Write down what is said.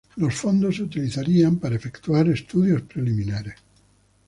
Los fondos se utilizarían para efectuar estudios preliminares.